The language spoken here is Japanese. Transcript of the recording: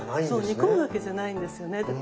そう煮込むわけじゃないんですよね。